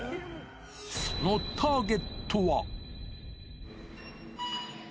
そのターゲットは。